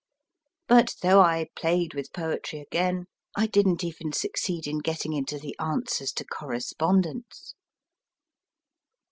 But though I played with poetry again, I didn t even succeed in getting into the * Answers to Correspondents.